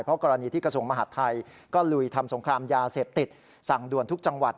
เพราะกรณีที่กระทรวงมหาดไทยก็ลุยทำสงครามยาเสพติดสั่งด่วนทุกจังหวัด